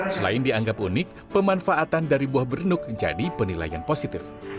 selain dianggap unik pemanfaatan dari buah bernuk menjadi penilaian positif